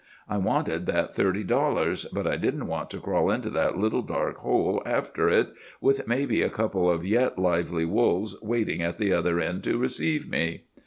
I wanted that thirty dollars; but I didn't want to crawl into that little dark hole after it, with maybe a couple of yet lively wolves waiting at the other end to receive me.